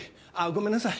ごめんなさい。